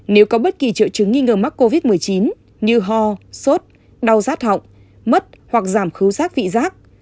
nếu có bất kỳ triệu chứng nghi ngờ mắc covid một mươi chín như ho sốt đau rát họng mất hoặc giảm khấu rác vị rác